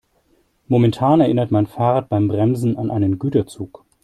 Momentan erinnert mein Fahrrad beim Bremsen an einen Güterzug.